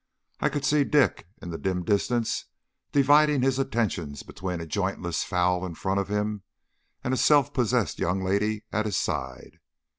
I could see Dick in the dim distance dividing his attentions between a jointless fowl in front of him and a self possessed young lady at his side.